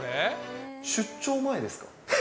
出張前ですか？